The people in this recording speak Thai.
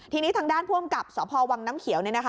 ทีนี้ทางด้านภูมิกับสภววังน้ำเขียว